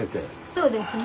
そうですね。